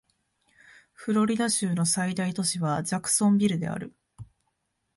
フロリダ州の最大都市はジャクソンビルである